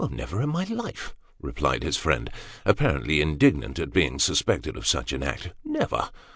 " Never in my life !" replied his friend, apparently indignant at being suspected of such an act. " Never